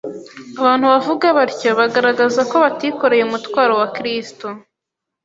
” Abantu bavuga batyo, bagaragaza ko batikoreye umutwaro wa Kristo